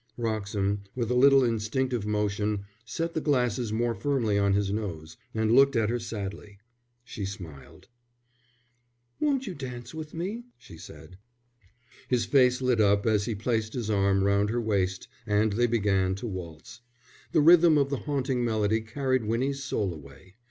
Wroxham, with a little instinctive motion, set the glasses more firmly on his nose, and looked at her sadly. She smiled. "Won't you dance with me?" she said. His face lit up as he placed his arm round her waist and they began to waltz. The rhythm of the haunting melody carried Winnie's soul away.